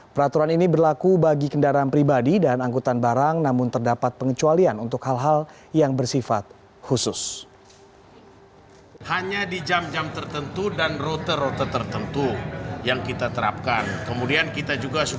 peraturan ini berlaku bagi kendaraan pribadi dan angkutan barang namun terdapat pengecualian untuk hal hal yang bersifat khusus